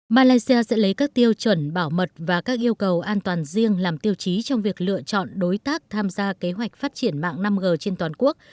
malaysia sẽ lấy các tiêu chuẩn bảo mật và các yêu cầu an toàn riêng làm tiêu chí trong việc lựa chọn đối tác tham gia kế hoạch phát triển mạng năm g trên toàn quốc